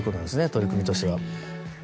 取り組みとしては。